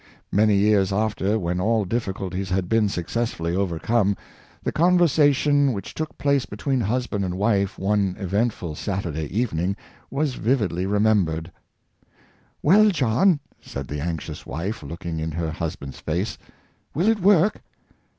Many years after, when all difficulties had been suc cessfully overcome, the conversation which took place between husband and wife one eventful Saturday evening was vividly remembered. " Well, John," said the anxious wife, looking in her husband's face, "will it work?"